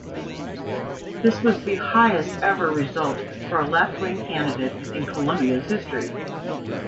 This was the highest ever result for a left-wing candidate in Colombia's history.